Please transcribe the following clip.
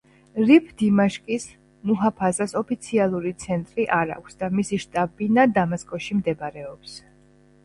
რიფ-დიმაშკის მუჰაფაზას ოფიციალური ცენტრი არ აქვს და მისი შტაბ-ბინა დამასკოში მდებარეობს.